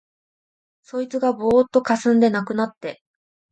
そいつがぼうっとかすんで無くなって、